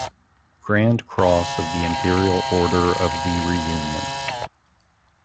Grand Cross of the Imperial Order of the Reunion.